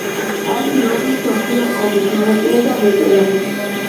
არის მეორე მსოფლიო ომის მონაწილე და ვეტერანი.